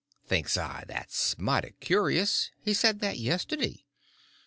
Thinks I, that's mighty curious; he said that yesterday.